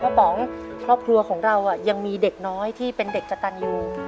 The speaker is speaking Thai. ป๋องครอบครัวของเรายังมีเด็กน้อยที่เป็นเด็กกระตันอยู่